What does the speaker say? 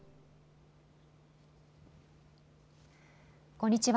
こんにちは。